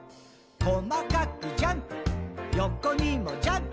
「こまかくジャンプ」「横にもジャンプ」